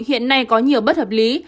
hiện nay có nhiều bất hợp lý